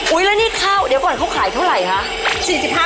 แล้วนี่ข้าวเดี๋ยวก่อนเขาขายเท่าไหร่คะ